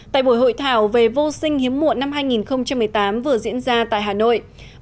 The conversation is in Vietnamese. tại buổi hội thảo về vô sinh hiếm muộn năm hai nghìn một mươi tám vừa diễn ra tại hà nội